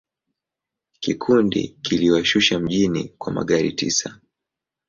Kikundi kiliwashusha mjini kwa magari tisa.